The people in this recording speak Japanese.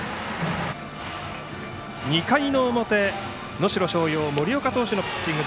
２回の表、能代松陽森岡投手のピッチング。